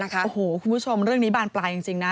โอ้โหคุณผู้ชมเรื่องนี้บานปลายจริงนะ